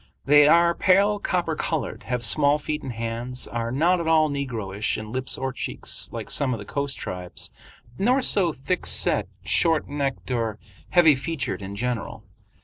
They are pale copper colored, have small feet and hands, are not at all negroish in lips or cheeks like some of the coast tribes, nor so thickset, short necked, or heavy featured in general.